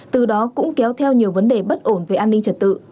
từ đó cũng kéo theo nhiều vấn đề bất ổn về an ninh trật tự